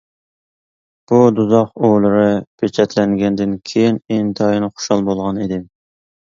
بۇ دوزاخ ئۇۋىلىرى پېچەتلەنگەندىن كېيىن ئىنتايىن خۇشال بولغان ئىدىم.